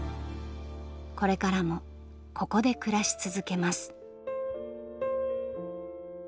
これからもここで暮らし続けます。